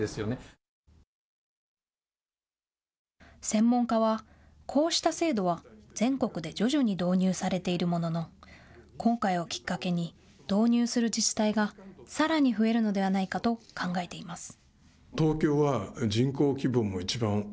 専門家は、こうした制度は全国で徐々に導入されているものの、今回をきっかけに導入する自治体がさらに増えるのではないかと考えています。